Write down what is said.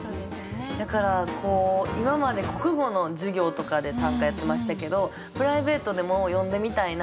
やから今まで国語の授業とかで短歌やってましたけどプライベートでもよんでみたいなって思いました。